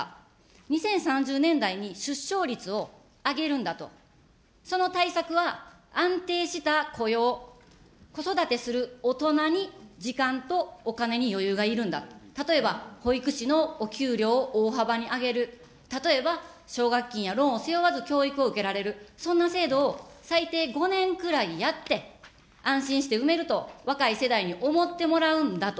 ２０３０年代に出生率を上げるんだと、その対策は安定した雇用、子育てする大人に時間とお金に余裕がいるんだ、例えば、保育士のお給料を大幅に上げる、例えば奨学金やローンを背負わずに教育を受けられる、そんな制度を最低５年くらいやって、安心して産めると、若い世代に思ってもらうんだと。